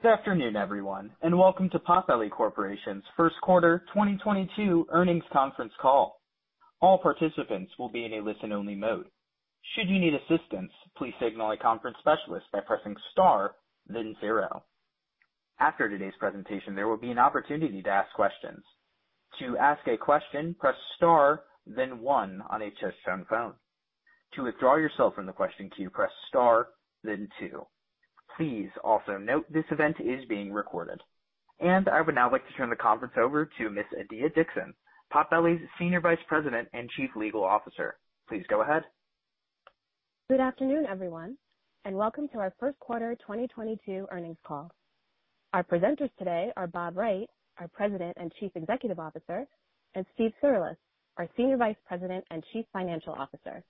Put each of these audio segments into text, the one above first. Good afternoon, everyone, and welcome to Potbelly Corporation's first quarter 2022 Earnings Conference Call. All participants will be in a listen-only mode. Should you need assistance, please signal a conference specialist by pressing star then zero. After today's presentation, there will be an opportunity to ask questions. To ask a question, press star then one on a touch-tone phone. To withdraw yourself from the question queue, press star then two. Please also note this event is being recorded. I would now like to turn the conference over to Ms. Adiya Dixon, Potbelly's Senior Vice President and Chief Legal Officer. Please go ahead. Good afternoon, everyone, and welcome to our first quarter 2022 earnings call. Our presenters today are Bob Wright, our President and Chief Executive Officer, and Steve Cirulis, our Senior Vice President and Chief Financial Officer.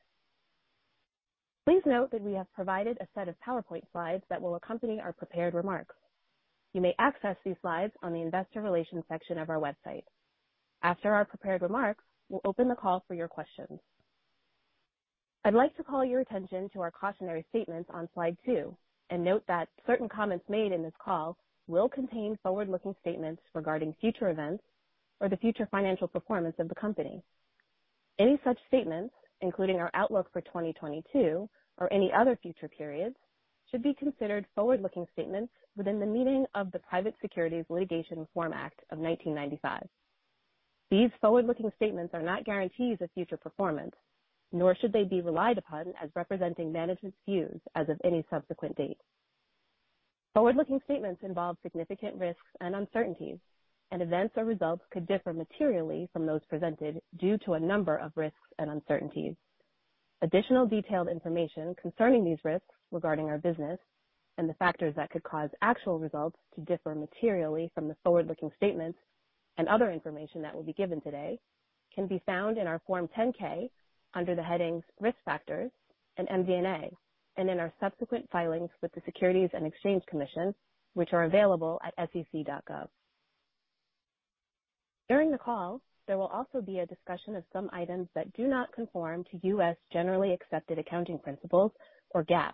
Please note that we have provided a set of PowerPoint slides that will accompany our prepared remarks. You may access these slides on the investor relations section of our website. After our prepared remarks, we'll open the call for your questions. I'd like to call your attention to our cautionary statements on slide two and note that certain comments made in this call will contain forward-looking statements regarding future events or the future financial performance of the company. Any such statements, including our outlook for 2022 or any other future periods, should be considered forward-looking statements within the meaning of the Private Securities Litigation Reform Act of 1995. These forward-looking statements are not guarantees of future performance, nor should they be relied upon as representing management's views as of any subsequent date. Forward-looking statements involve significant risks and uncertainties, and events or results could differ materially from those presented due to a number of risks and uncertainties. Additional detailed information concerning these risks regarding our business and the factors that could cause actual results to differ materially from the forward-looking statements and other information that will be given today can be found in our Form 10-K under the headings Risk Factors and MD&A, and in our subsequent filings with the Securities and Exchange Commission, which are available at sec.gov. During the call, there will also be a discussion of some items that do not conform to U.S. generally accepted accounting principles, or GAAP.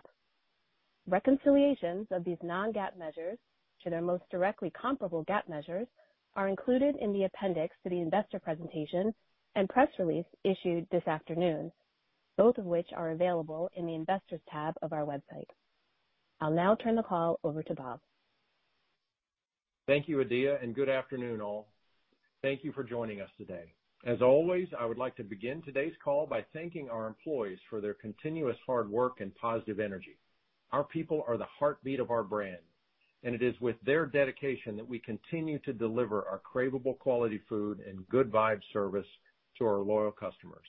Reconciliations of these non-GAAP measures to their most directly comparable GAAP measures are included in the appendix to the investor presentation and press release issued this afternoon, both of which are available in the Investors tab of our website. I'll now turn the call over to Bob. Thank you, Adiya, and good afternoon, all. Thank you for joining us today. As always, I would like to begin today's call by thanking our employees for their continuous hard work and positive energy. Our people are the heartbeat of our brand, and it is with their dedication that we continue to deliver our craveable quality food and good vibe service to our loyal customers.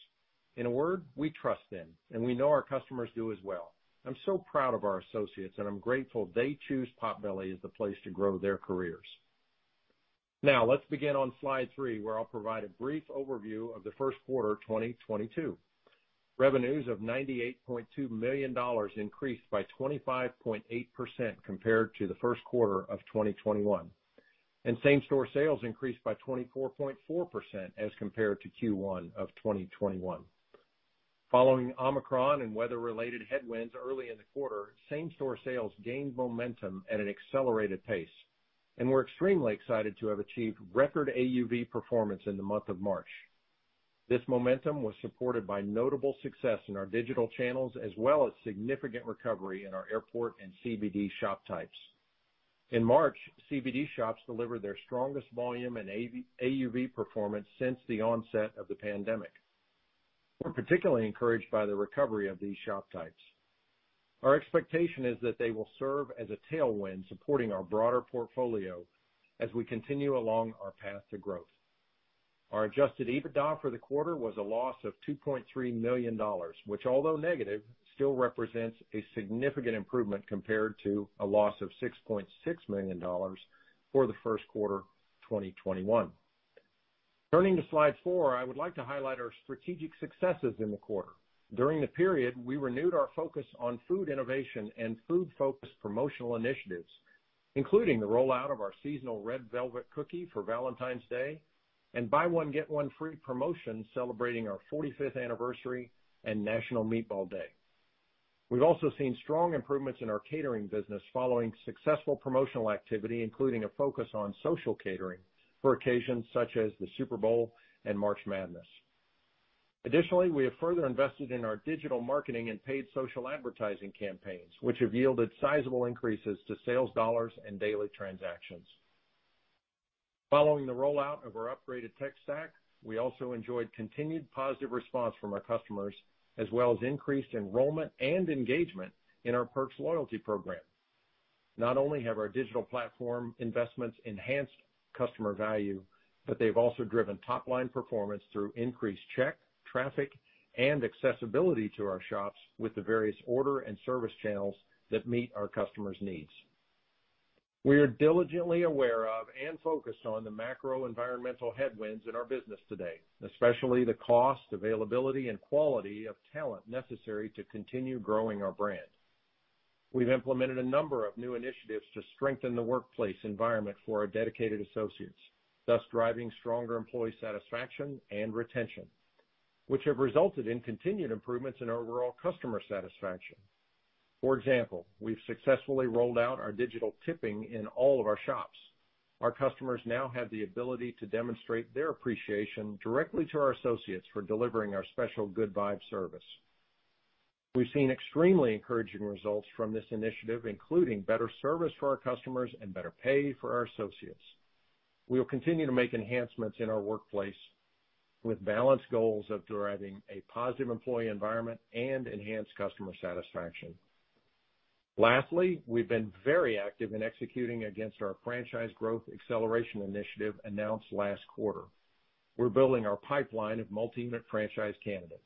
In a word, we trust them, and we know our customers do as well. I'm so proud of our associates, and I'm grateful they choose Potbelly as the place to grow their careers. Now, let's begin on slide three, where I'll provide a brief overview of the first quarter 2022. Revenues of $98.2 million increased by 25.8% compared to the first quarter of 2021, and same-store sales increased by 24.4% as compared to Q1 of 2021. Following Omicron and weather-related headwinds early in the quarter, same-store sales gained momentum at an accelerated pace, and we're extremely excited to have achieved record AUV performance in the month of March. This momentum was supported by notable success in our digital channels as well as significant recovery in our airport and CBD shop types. In March, CBD shops delivered their strongest volume and AUV performance since the onset of the pandemic. We're particularly encouraged by the recovery of these shop types. Our expectation is that they will serve as a tailwind supporting our broader portfolio as we continue along our path to growth. Our adjusted EBITDA for the quarter was a loss of $2.3 million, which although negative, still represents a significant improvement compared to a loss of $6.6 million for the first quarter 2021. Turning to slide four, I would like to highlight our strategic successes in the quarter. During the period, we renewed our focus on food innovation and food-focused promotional initiatives, including the rollout of our seasonal Red Velvet Cookie for Valentine's Day and buy one get one free promotion celebrating our 45th anniversary and National Meatball Day. We've also seen strong improvements in our catering business following successful promotional activity, including a focus on social catering for occasions such as the Super Bowl and March Madness. Additionally, we have further invested in our digital marketing and paid social advertising campaigns, which have yielded sizable increases to sales dollars and daily transactions. Following the rollout of our upgraded tech stack, we also enjoyed continued positive response from our customers, as well as increased enrollment and engagement in our Perks loyalty program. Not only have our digital platform investments enhanced customer value, but they've also driven top-line performance through increased check, traffic, and accessibility to our shops with the various order and service channels that meet our customers' needs. We are diligently aware of and focused on the macro environmental headwinds in our business today, especially the cost, availability, and quality of talent necessary to continue growing our brand. We've implemented a number of new initiatives to strengthen the workplace environment for our dedicated associates, thus driving stronger employee satisfaction and retention, which have resulted in continued improvements in our overall customer satisfaction. For example, we've successfully rolled out our digital tipping in all of our shops. Our customers now have the ability to demonstrate their appreciation directly to our associates for delivering our special good vibe service. We've seen extremely encouraging results from this initiative, including better service for our customers and better pay for our associates. We will continue to make enhancements in our workplace with balanced goals of deriving a positive employee environment and enhanced customer satisfaction. Lastly, we've been very active in executing against our franchise growth acceleration initiative announced last quarter. We're building our pipeline of multi-unit franchise candidates.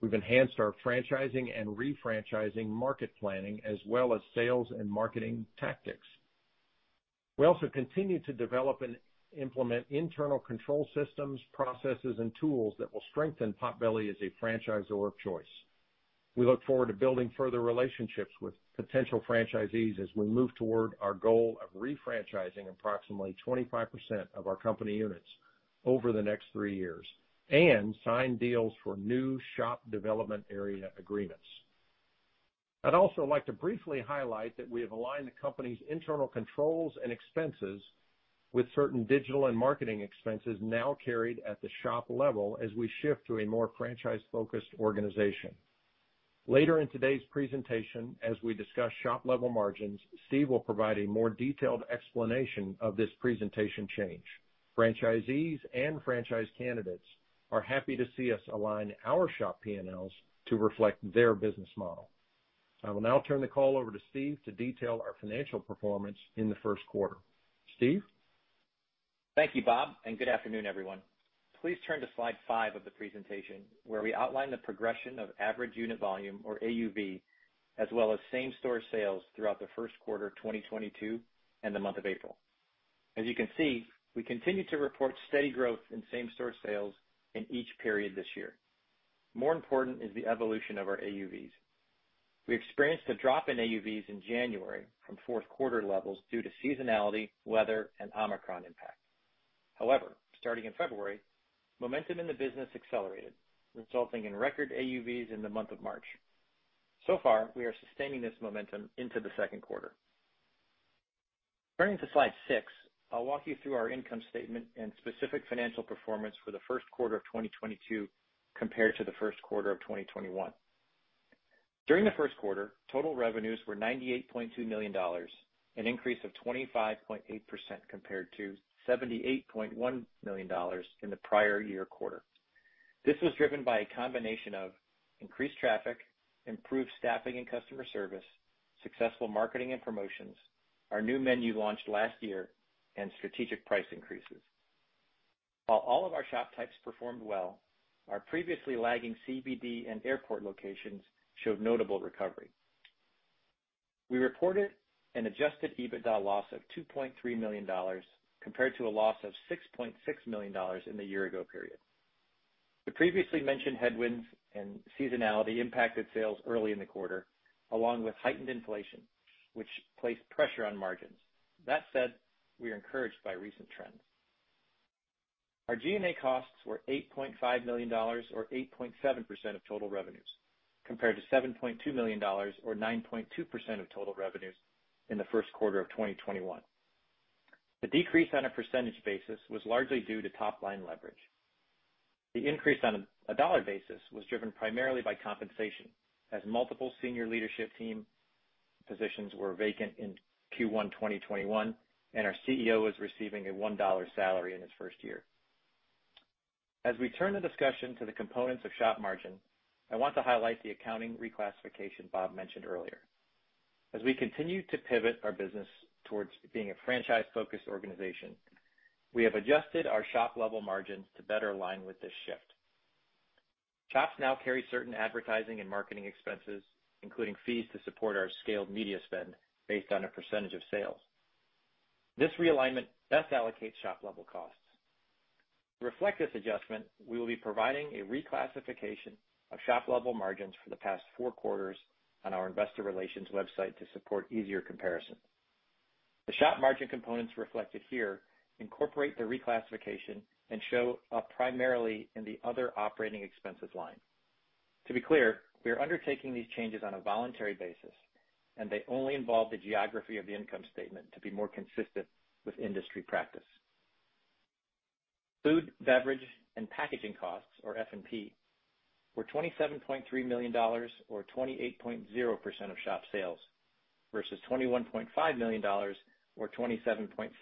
We've enhanced our franchising and refranchising market planning, as well as sales and marketing tactics. We also continue to develop and implement internal control systems, processes, and tools that will strengthen Potbelly as a franchisor of choice. We look forward to building further relationships with potential franchisees as we move toward our goal of refranchising approximately 25% of our company units over the next three years and sign deals for new shop development area agreements. I'd also like to briefly highlight that we have aligned the company's internal controls and expenses with certain digital and marketing expenses now carried at the shop level as we shift to a more franchise-focused organization. Later in today's presentation, as we discuss shop level margins, Steve will provide a more detailed explanation of this presentation change. Franchisees and franchise candidates are happy to see us align our shop P&Ls to reflect their business model. I will now turn the call over to Steve to detail our financial performance in the first quarter. Steve? Thank you, Bob, and good afternoon, everyone. Please turn to slide five of the presentation, where we outline the progression of average unit volume, or AUV, as well as same-store sales throughout the first quarter of 2022 and the month of April. As you can see, we continue to report steady growth in same-store sales in each period this year. More important is the evolution of our AUVs. We experienced a drop in AUVs in January from fourth quarter levels due to seasonality, weather, and Omicron impact. However, starting in February, momentum in the business accelerated, resulting in record AUVs in the month of March. So far, we are sustaining this momentum into the second quarter. Turning to slide six, I'll walk you through our income statement and specific financial performance for the first quarter of 2022 compared to the first quarter of 2021. During the first quarter, total revenues were $98.2 million, an increase of 25.8% compared to $78.1 million in the prior year quarter. This was driven by a combination of increased traffic, improved staffing and customer service, successful marketing and promotions, our new menu launched last year, and strategic price increases. While all of our shop types performed well, our previously lagging CBD and airport locations showed notable recovery. We reported an adjusted EBITDA loss of $2.3 million compared to a loss of $6.6 million in the year ago period. The previously mentioned headwinds and seasonality impacted sales early in the quarter, along with heightened inflation, which placed pressure on margins. That said, we are encouraged by recent trends. Our G&A costs were $8.5 million or 8.7% of total revenues, compared to $7.2 million or 9.2% of total revenues in the first quarter of 2021. The decrease on a percentage basis was largely due to top-line leverage. The increase on a dollar basis was driven primarily by compensation, as multiple senior leadership team positions were vacant in Q1 2021, and our CEO was receiving a $1 salary in his first year. We turn the discussion to the components of shop margin. I want to highlight the accounting reclassification Bob mentioned earlier. We continue to pivot our business towards being a franchise-focused organization. We have adjusted our shop level margins to better align with this shift. Shops now carry certain advertising and marketing expenses, including fees to support our scaled media spend based on a percentage of sales. This realignment best allocates shop level costs. To reflect this adjustment, we will be providing a reclassification of shop level margins for the past four quarters on our investor relations website to support easier comparison. The shop margin components reflected here incorporate the reclassification and show up primarily in the other operating expenses line. To be clear, we are undertaking these changes on a voluntary basis, and they only involve the geography of the income statement to be more consistent with industry practice. Food, beverage, and packaging costs, or F&P, were $27.3 million or 28.0% of shop sales versus $21.5 million or 27.7%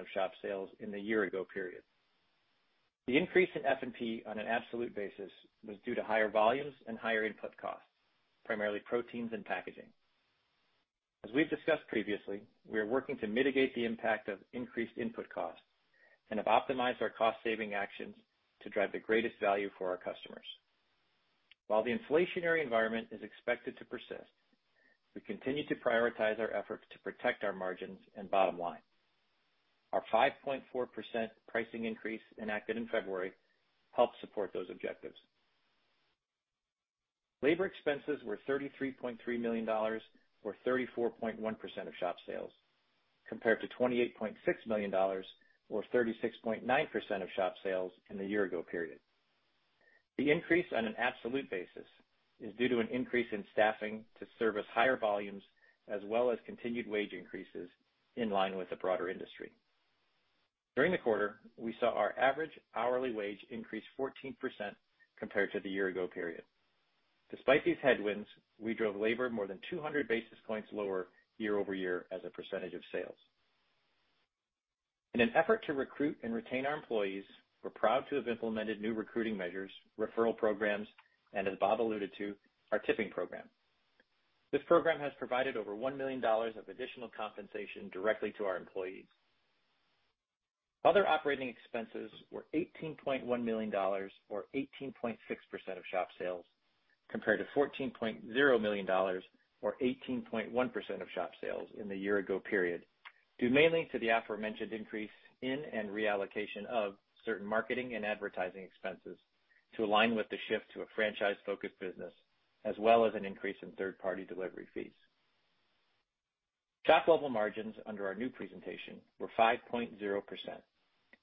of shop sales in the year ago period. The increase in F&P on an absolute basis was due to higher volumes and higher input costs, primarily proteins and packaging. As we've discussed previously, we are working to mitigate the impact of increased input costs and have optimized our cost-saving actions to drive the greatest value for our customers. While the inflationary environment is expected to persist, we continue to prioritize our efforts to protect our margins and bottom line. Our 5.4% pricing increase enacted in February helps support those objectives. Labor expenses were $33.3 million, or 34.1% of shop sales, compared to $28.6 million, or 36.9% of shop sales in the year ago period. The increase on an absolute basis is due to an increase in staffing to service higher volumes as well as continued wage increases in line with the broader industry. During the quarter, we saw our average hourly wage increase 14% compared to the year-ago period. Despite these headwinds, we drove labor more than 200 basis points lower year-over-year as a percentage of sales. In an effort to recruit and retain our employees, we're proud to have implemented new recruiting measures, referral programs, and as Bob alluded to, our tipping program. This program has provided over $1 million of additional compensation directly to our employees. Other operating expenses were $18.1 million, or 18.6% of shop sales, compared to $14.0 million, or 18.1% of shop sales in the year ago period, due mainly to the aforementioned increase in and reallocation of certain marketing and advertising expenses to align with the shift to a franchise-focused business, as well as an increase in third-party delivery fees. Shop level margins under our new presentation were 5.0%,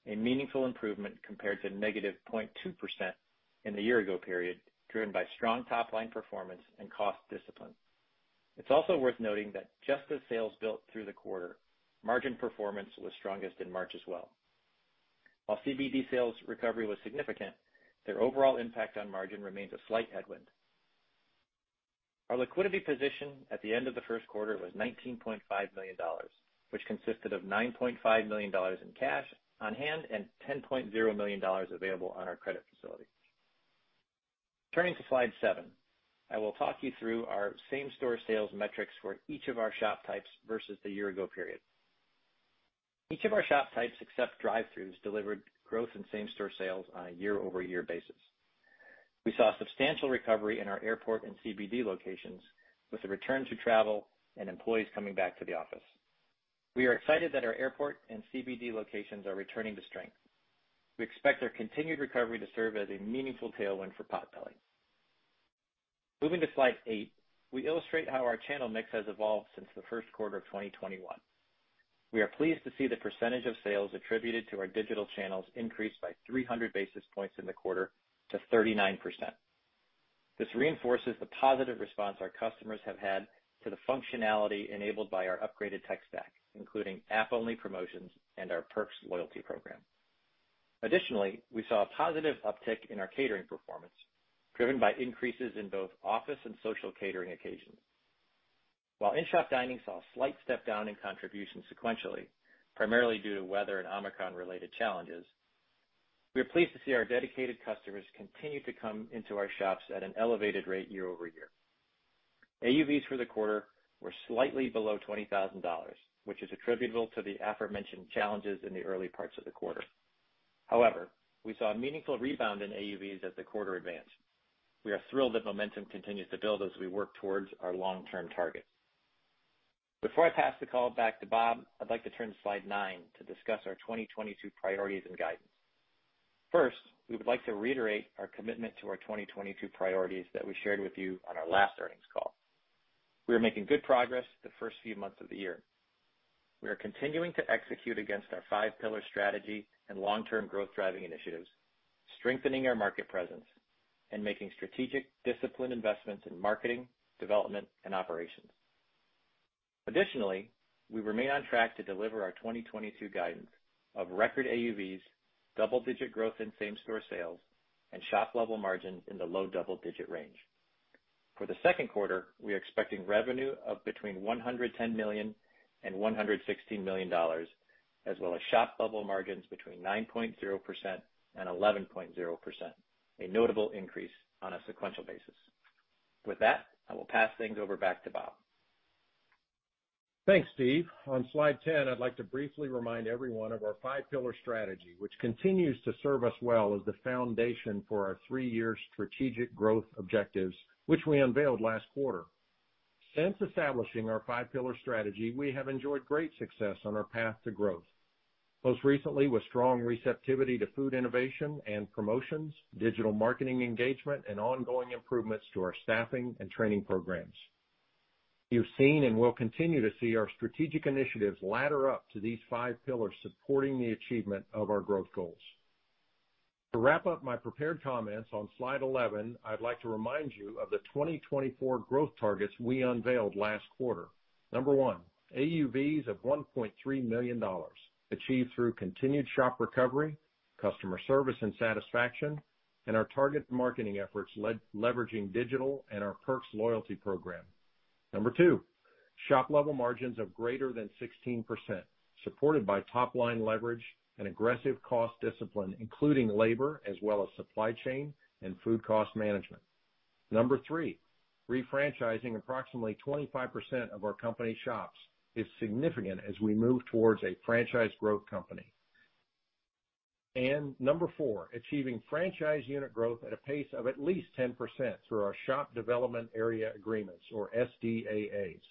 a meaningful improvement compared to -0.2% in the year ago period, driven by strong top line performance and cost discipline. It's also worth noting that just as sales built through the quarter, margin performance was strongest in March as well. While CBD sales recovery was significant, their overall impact on margin remains a slight headwind. Our liquidity position at the end of the first quarter was $19.5 million, which consisted of $9.5 million in cash on hand and $10.0 million available on our credit facility. Turning to slide seven, I will talk you through our same-store sales metrics for each of our shop types versus the year ago period. Each of our shop types, except drive-throughs, delivered growth in same-store sales on a year-over-year basis. We saw substantial recovery in our airport and CBD locations with the return to travel and employees coming back to the office. We are excited that our airport and CBD locations are returning to strength. We expect their continued recovery to serve as a meaningful tailwind for Potbelly. Moving to slide 8, we illustrate how our channel mix has evolved since the first quarter of 2021. We are pleased to see the percentage of sales attributed to our digital channels increase by 300 basis points in the quarter to 39%. This reinforces the positive response our customers have had to the functionality enabled by our upgraded tech stack, including app-only promotions and our Perks loyalty program. Additionally, we saw a positive uptick in our catering performance, driven by increases in both office and social catering occasions. While in-shop dining saw a slight step down in contribution sequentially, primarily due to weather and Omicron-related challenges, we are pleased to see our dedicated customers continue to come into our shops at an elevated rate year-over-year. AUVs for the quarter were slightly below $20,000, which is attributable to the aforementioned challenges in the early parts of the quarter. However, we saw a meaningful rebound in AUVs as the quarter advanced. We are thrilled that momentum continues to build as we work towards our long-term target. Before I pass the call back to Bob, I'd like to turn to slide nine to discuss our 2022 priorities and guidance. First, we would like to reiterate our commitment to our 2022 priorities that we shared with you on our last earnings call. We are making good progress the first few months of the year. We are continuing to execute against our five pillar strategy and long-term growth driving initiatives, strengthening our market presence and making strategic disciplined investments in marketing, development, and operations. Additionally, we remain on track to deliver our 2022 guidance of record AUVs, double-digit growth in same-store sales, and shop level margin in the low double-digit range. For the second quarter, we are expecting revenue of between $110 million and $116 million, as well as shop level margins between 9.0% and 11.0%, a notable increase on a sequential basis. With that, I will pass things over back to Bob. Thanks, Steve. On slide 10, I'd like to briefly remind everyone of our five pillar strategy, which continues to serve us well as the foundation for our three-year strategic growth objectives, which we unveiled last quarter. Since establishing our five pillar strategy, we have enjoyed great success on our path to growth, most recently with strong receptivity to food innovation and promotions, digital marketing engagement, and ongoing improvements to our staffing and training programs. You've seen and will continue to see our strategic initiatives ladder up to these five pillars supporting the achievement of our growth goals. To wrap up my prepared comments on slide 11, I'd like to remind you of the 2024 growth targets we unveiled last quarter. Number one, AUVs of $1.3 million achieved through continued shop recovery, customer service and satisfaction, and our target marketing efforts leveraging digital and our Perks loyalty program. Number two, shop level margins of greater than 16%, supported by top line leverage and aggressive cost discipline, including labor as well as supply chain and food cost management. Number three, refranchising approximately 25% of our company shops is significant as we move towards a franchise growth company. Number four, achieving franchise unit growth at a pace of at least 10% through our shop development area agreements or SDAAs.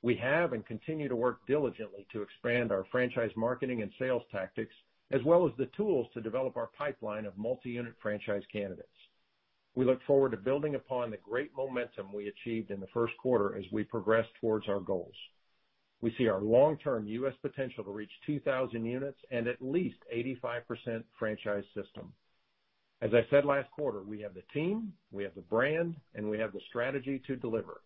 We have and continue to work diligently to expand our franchise marketing and sales tactics, as well as the tools to develop our pipeline of multi-unit franchise candidates. We look forward to building upon the great momentum we achieved in the first quarter as we progress towards our goals. We see our long-term U.S. potential to reach 2,000 units and at least 85% franchise system. As I said last quarter, we have the team, we have the brand, and we have the strategy to deliver.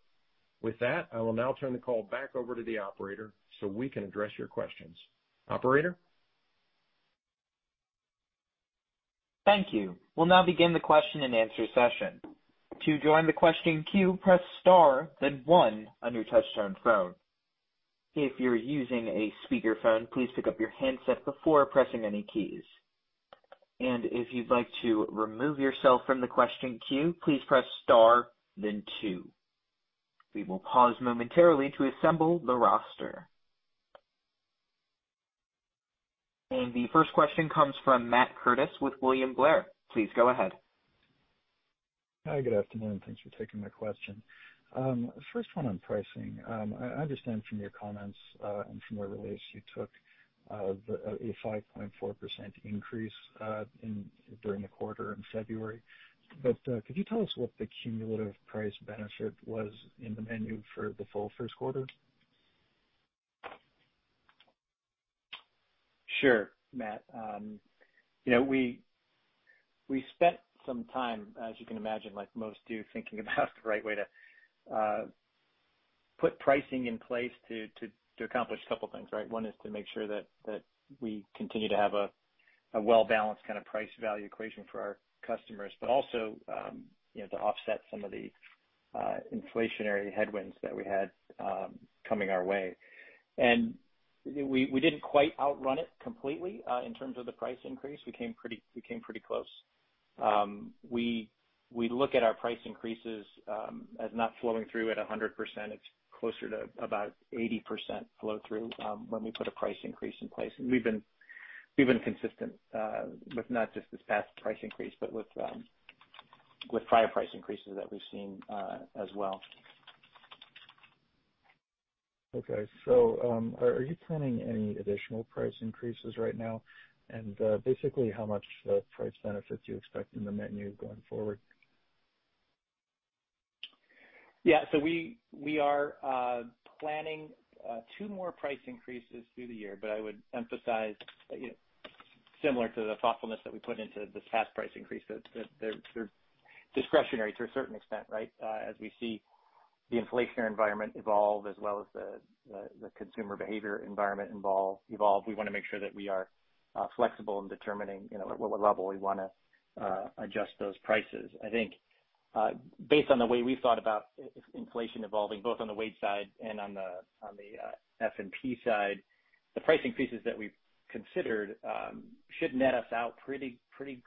With that, I will now turn the call back over to the operator, so we can address your questions. Operator? Thank you. We'll now begin the question-and-answer session. To join the questioning queue, press star then one on your touchtone phone. If you're using a speaker phone, please pick up your handset before pressing any keys. If you'd like to remove yourself from the question queue, please press star then two. We will pause momentarily to assemble the roster. The first question comes from Matt Curtis with William Blair. Please go ahead. Hi, good afternoon. Thanks for taking my question. First one on pricing. I understand from your comments and from the release you took a 5.4% increase during the quarter in February. Could you tell us what the cumulative price benefit was in the menu for the full first quarter? Sure, Matt. You know, we spent some time, as you can imagine, like most do, thinking about the right way to put pricing in place to accomplish a couple things, right? One is to make sure that we continue to have a well-balanced kind of price value equation for our customers, but also, you know, to offset some of the inflationary headwinds that we had coming our way. We didn't quite outrun it completely in terms of the price increase. We came pretty close. We look at our price increases as not flowing through at 100%. It's closer to about 80% flow through when we put a price increase in place. We've been consistent with not just this past price increase, but with prior price increases that we've seen as well. Are you planning any additional price increases right now? Basically, how much price benefit do you expect in the menu going forward? Yeah. We are planning two more price increases through the year, but I would emphasize that, you know, similar to the thoughtfulness that we put into this past price increase, that they're discretionary to a certain extent, right? As we see the inflationary environment evolve as well as the consumer behavior environment evolve, we wanna make sure that we are flexible in determining, you know, what level we wanna adjust those prices. I think, based on the way we've thought about inflation evolving, both on the wage side and on the F&P side, the price increases that we've considered should net us out pretty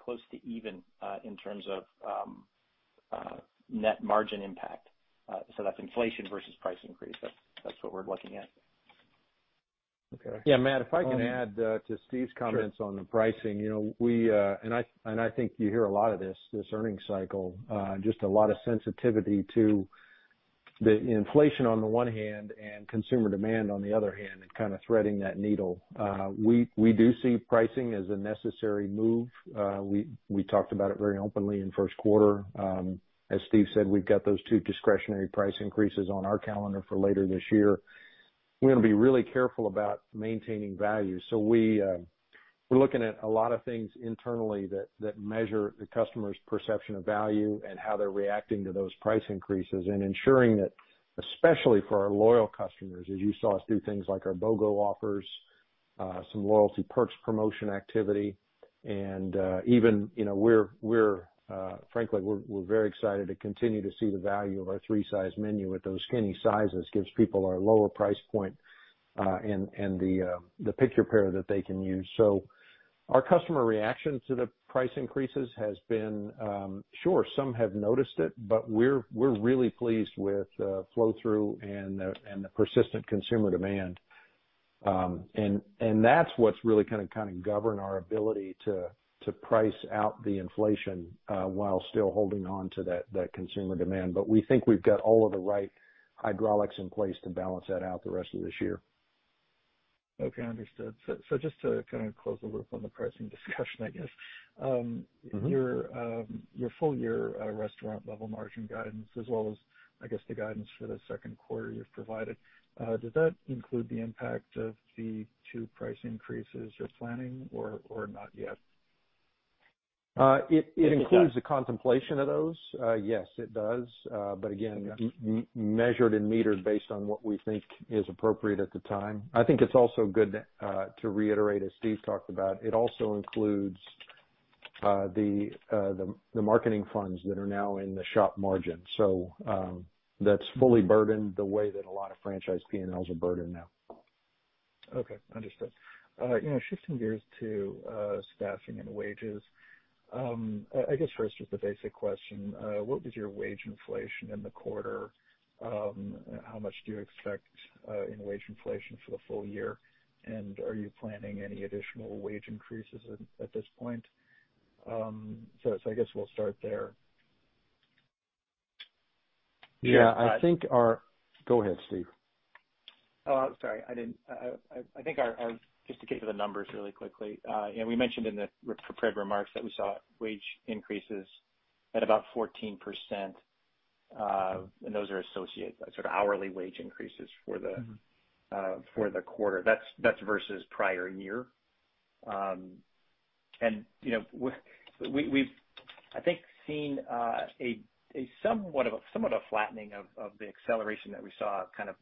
close to even in terms of net margin impact. That's inflation versus price increase. That's what we're looking at. Okay. Yeah, Matt, if I can add to Steve's comments. Sure. On the pricing. You know, we and I think you hear a lot of this earnings cycle, just a lot of sensitivity to the inflation on the one hand and consumer demand on the other hand and kinda threading that needle. We do see pricing as a necessary move. We talked about it very openly in first quarter. As Steve said, we've got those two discretionary price increases on our calendar for later this year. We're gonna be really careful about maintaining value. We're looking at a lot of things internally that measure the customer's perception of value and how they're reacting to those price increases and ensuring that, especially for our loyal customers, as you saw us do things like our BOGO offers, some loyalty perks promotion activity, and even, you know, we're frankly very excited to continue to see the value of our three size menu with those skinny sizes, gives people our lower price point, and the Pick-Your-Pair that they can use. Our customer reaction to the price increases has been, sure, some have noticed it, but we're really pleased with flow through and the persistent consumer demand. That's what's really gonna kind of govern our ability to price out the inflation, while still holding on to that consumer demand. We think we've got all of the right hydraulics in place to balance that out the rest of this year. Okay, understood. Just to kind of close the loop on the pricing discussion, I guess. Your full year restaurant level margin guidance, as well as I guess the guidance for the second quarter you've provided, does that include the impact of the two price increases you're planning or not yet? It includes the contemplation of those. Yes, it does. Again—measured and metered based on what we think is appropriate at the time. I think it's also good to reiterate, as Steve talked about, it also includes the marketing funds that are now in the shop margin. That's fully burdened the way that a lot of franchise P&Ls are burdened now. Okay, understood. You know, shifting gears to staffing and wages. I guess first just the basic question, what was your wage inflation in the quarter? How much do you expect in wage inflation for the full year? Are you planning any additional wage increases at this point? I guess we'll start there. Yeah, I think... go ahead, Steve. Oh, sorry. Just to get to the numbers really quickly, and we mentioned in the prepared remarks that we saw wage increases at about 14%, and those are associate, sort of hourly wage increases for the quarter. That's versus prior year. You know, we've, I think, seen a somewhat of a flattening of the acceleration that we saw kind of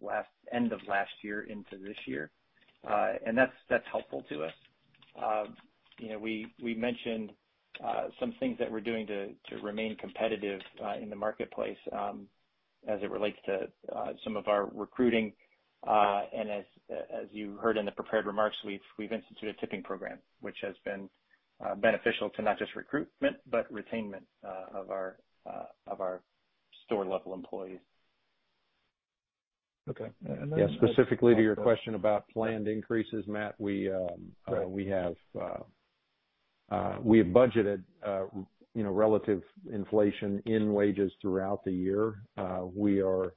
end of last year into this year. That's helpful to us. You know, we mentioned some things that we're doing to remain competitive in the marketplace as it relates to some of our recruiting. As you heard in the prepared remarks, we've instituted a tipping program, which has been beneficial to not just recruitment, but retainment of our store level employees. Specifically to your question about planned increases, Matt, we have budgeted, you know, relative inflation in wages throughout the year. We are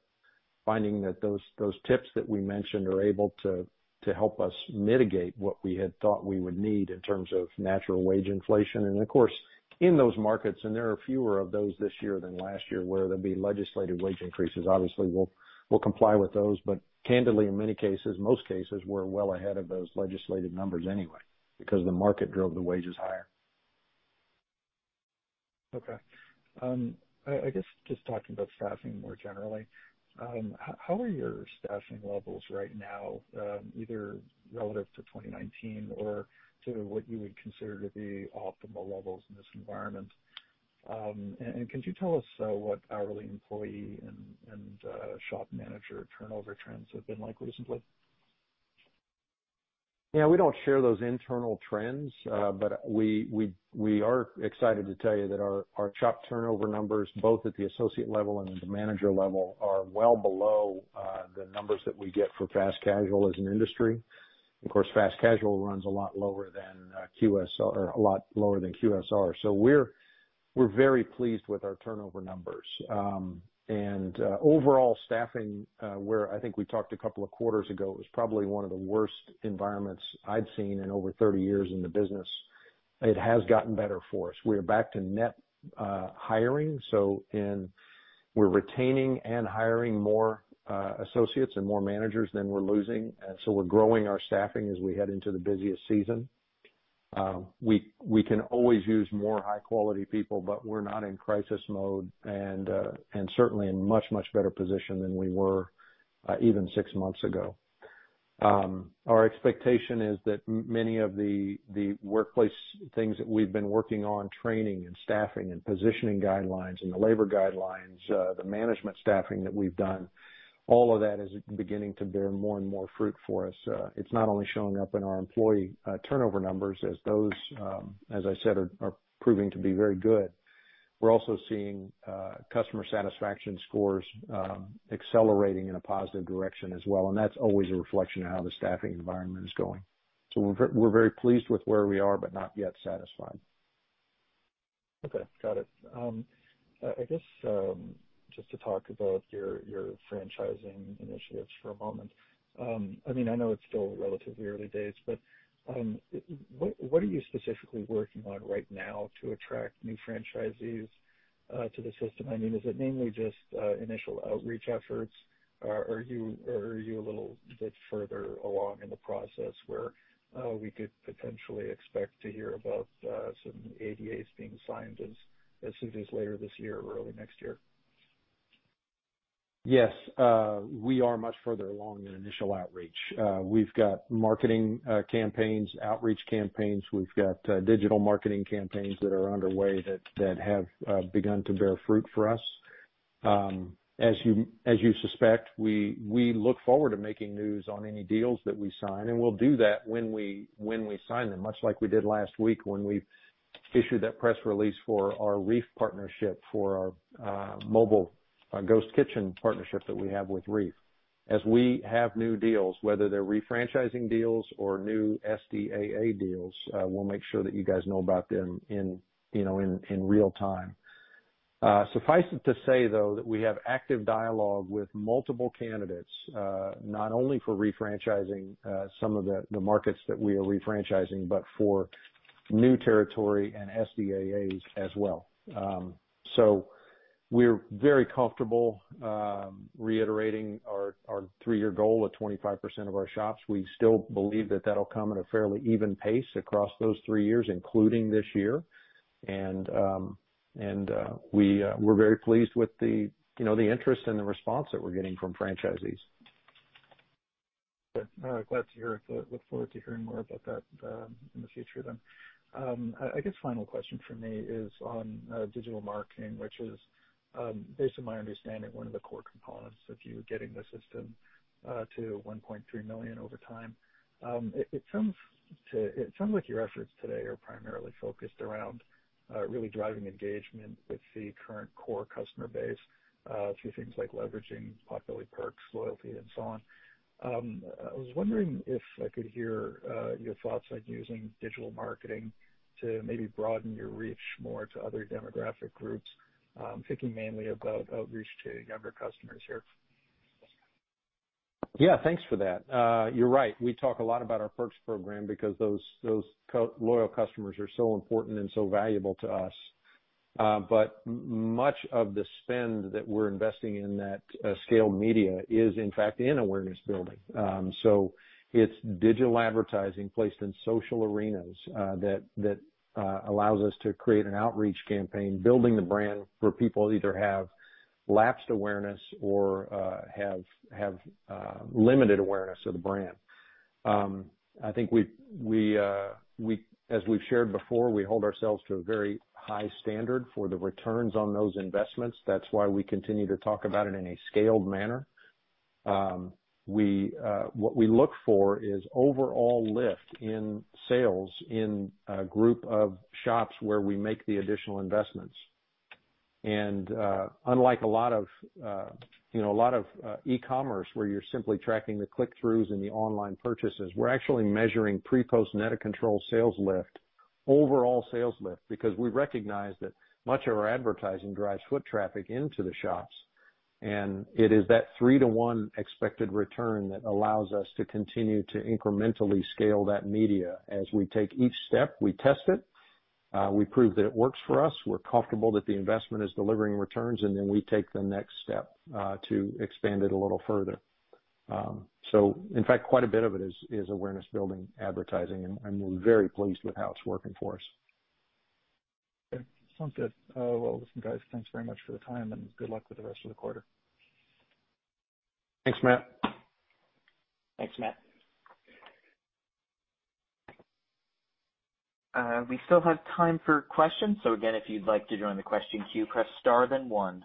finding that those tips that we mentioned are able to help us mitigate what we had thought we would need in terms of natural wage inflation. Of course, in those markets, and there are fewer of those this year than last year, where there'll be legislative wage increases, obviously, we'll comply with those. Candidly, in many cases, most cases, we're well ahead of those legislative numbers anyway because the market drove the wages higher. Okay. I guess just talking about staffing more generally, how are your staffing levels right now, either relative to 2019 or to what you would consider to be optimal levels in this environment? Could you tell us what hourly employee and shop manager turnover trends have been like recently? Yeah, we don't share those internal trends, but we are excited to tell you that our shop turnover numbers, both at the associate level and at the manager level, are well below the numbers that we get for fast casual as an industry. Of course, fast casual runs a lot lower than QSR. We're very pleased with our turnover numbers. Overall staffing, where I think we talked a couple of quarters ago, it was probably one of the worst environments I'd seen in over 30 years in the business. It has gotten better for us. We are back to net hiring. We're retaining and hiring more associates and more managers than we're losing. We're growing our staffing as we head into the busiest season. We can always use more high-quality people, but we're not in crisis mode and certainly in much better position than we were even six months ago. Our expectation is that many of the workplace things that we've been working on, training and staffing and positioning guidelines and the labor guidelines, the management staffing that we've done, all of that is beginning to bear more and more fruit for us. It's not only showing up in our employee turnover numbers as those, as I said, are proving to be very good. We're also seeing customer satisfaction scores accelerating in a positive direction as well. That's always a reflection of how the staffing environment is going. We're very pleased with where we are, but not yet satisfied. Okay. Got it. I guess, just to talk about your franchising initiatives for a moment, I mean, I know it's still relatively early days, but what are you specifically working on right now to attract new franchisees to the system? I mean, is it mainly just initial outreach efforts, or are you a little bit further along in the process where we could potentially expect to hear about some SDAAs being signed as soon as later this year or early next year? Yes. We are much further along than initial outreach. We've got marketing campaigns, outreach campaigns. We've got digital marketing campaigns that are underway that have begun to bear fruit for us. As you suspect, we look forward to making news on any deals that we sign, and we'll do that when we sign them, much like we did last week when we issued that press release for our Reef partnership for our mobile ghost kitchen partnership that we have with Reef. As we have new deals, whether they're refranchising deals or new SDAA deals, we'll make sure that you guys know about them, you know, in real time. Suffice it to say, though, that we have active dialogue with multiple candidates, not only for refranchising, some of the markets that we are refranchising, but for new territory and SDAAs as well. We're very comfortable, reiterating our three-year goal of 25% of our shops. We still believe that that'll come at a fairly even pace across those three years, including this year. We're very pleased with the, you know, the interest and the response that we're getting from franchisees. Good. Glad to hear it. Look forward to hearing more about that in the future then. I guess final question for me is on digital marketing, which is based on my understanding, one of the core components of you getting the system to 1.3 million over time. It sounds like your efforts today are primarily focused around really driving engagement with the current core customer base through things like leveraging Potbelly Perks, loyalty and so on. I was wondering if I could hear your thoughts on using digital marketing to maybe broaden your reach more to other demographic groups. Thinking mainly about outreach to younger customers here. Yeah, thanks for that. You're right. We talk a lot about our Perks program because those loyal customers are so important and so valuable to us. Much of the spend that we're investing in that scaled media is in fact an awareness building. It's digital advertising placed in social media that allows us to create an outreach campaign, building the brand where people either have lapsed awareness or have limited awareness of the brand. I think, as we've shared before, we hold ourselves to a very high standard for the returns on those investments. That's why we continue to talk about it in a scaled manner. What we look for is overall lift in sales in a group of shops where we make the additional investments. Unlike a lot of, you know, a lot of e-commerce where you're simply tracking the click-throughs and the online purchases, we're actually measuring pre-post net of control sales lift, overall sales lift, because we recognize that much of our advertising drives foot traffic into the shops. It is that 3:1 expected return that allows us to continue to incrementally scale that media. As we take each step, we test it, we prove that it works for us, we're comfortable that the investment is delivering returns, and then we take the next step to expand it a little further. In fact, quite a bit of it is awareness building advertising, and we're very pleased with how it's working for us. Okay. Sounds good. Well, listen, guys, thanks very much for the time, and good luck with the rest of the quarter. Thanks, Matt. Thanks, Matt. We still have time for questions. Again, if you'd like to join the question queue, press star then one.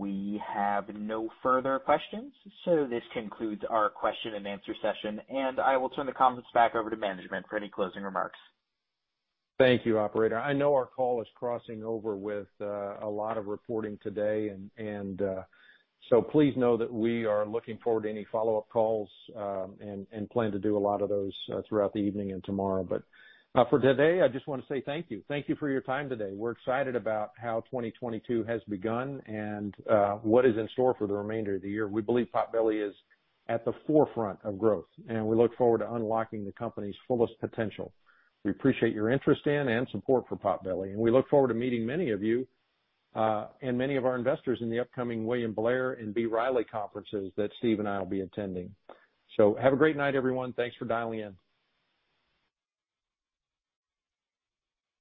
We have no further questions, so this concludes our question and answer session, and I will turn the conference back over to management for any closing remarks. Thank you, operator. I know our call is crossing over with a lot of reporting today, and so please know that we are looking forward to any follow-up calls and plan to do a lot of those throughout the evening and tomorrow. For today, I just wanna say thank you. Thank you for your time today. We're excited about how 2022 has begun and what is in store for the remainder of the year. We believe Potbelly is at the forefront of growth, and we look forward to unlocking the company's fullest potential. We appreciate your interest in and support for Potbelly, and we look forward to meeting many of you and many of our investors in the upcoming William Blair and B. Riley conferences that Steve and I will be attending. Have a great night, everyone. Thanks for dialing in.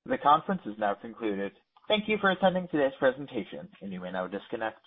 The conference is now concluded. Thank you for attending today's presentation. You may now disconnect.